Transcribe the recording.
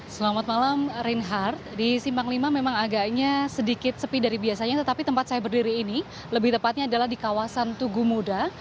selamat malam reinhardt di simpang lima memang agaknya sedikit sepi dari biasanya tetapi tempat saya berdiri ini lebih tepatnya adalah di kawasan tugu muda